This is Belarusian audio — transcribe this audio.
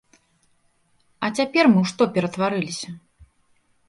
А цяпер мы ў што ператварыліся?